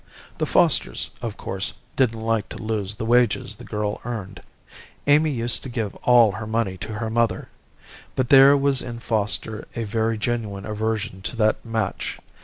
The Fosters, of course, didn't like to lose the wages the girl earned: Amy used to give all her money to her mother. But there was in Foster a very genuine aversion to that match.